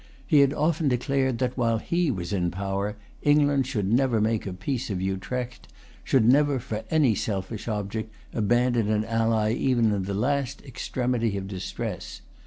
He had often declared that, while he was in power, England should never make a peace of Utrecht, should never, for any selfish object, abandon an ally even in the last extremity of distress.